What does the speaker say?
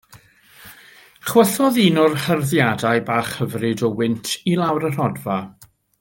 Chwythodd un o'r hyrddiadau bach hyfryd o wynt i lawr y rhodfa.